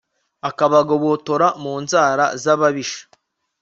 ukabagobotora mu nzara z'ababisha